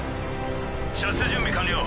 射出準備完了。